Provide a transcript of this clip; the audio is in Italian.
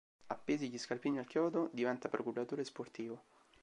Appesi gli scarpini al chiodo, diventa procuratore sportivo.